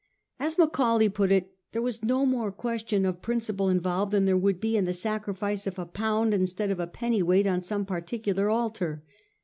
As Macaulay put it, there was no more question of prin ciple involved than there would be in the sacrifice of a pound instead of a pennyweight on some particular altar.